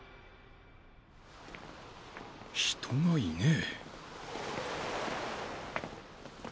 人がいねえ。